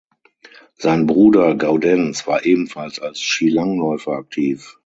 Sein Bruder Gaudenz war ebenfalls als Skilangläufer aktiv.